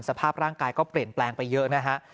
สภาพร่างกายก็เปลี่ยนแปลงไปเยอะนะฮะ